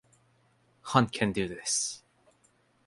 Hunt can do this.